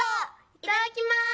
いただきます」。